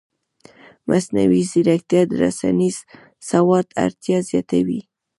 مصنوعي ځیرکتیا د رسنیز سواد اړتیا زیاتوي.